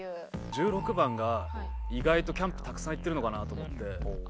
１６番が意外とキャンプたくさん行ってるのかなと思って。